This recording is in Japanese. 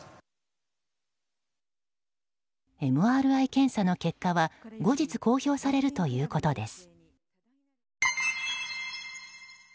ＭＲＩ検査の結果は後日、公表されるということです。